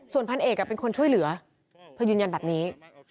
ส่วนพันเอกเป็นคนช่วยเหลือเธอยืนยันแบบนี้